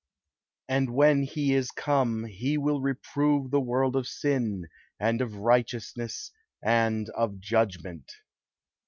"And when he is come, he will reprove the world of sin, and of righteousness, and of judgment."